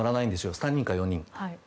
３人か４人。